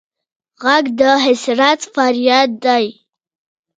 غږ د حسرت فریاد دی